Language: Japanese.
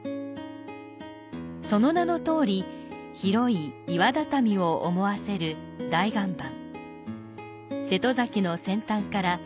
その名のとおり、広い岩畳を思わせる大岩盤。